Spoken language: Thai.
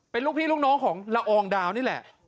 เป็นลูกพี่ลูกน้องของละอองดาวนี่แหละ